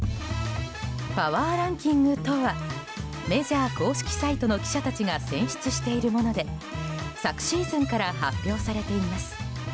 パワーランキングとはメジャー公式サイトの記者たちが選出しているもので昨シーズンから発表されています。